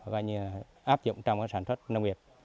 và áp dụng trong sản xuất nông nghiệp